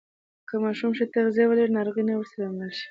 که ماشوم ښه تغذیه ولري، ناروغي نه ورسره مل شي.